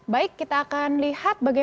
baik kita akan lihat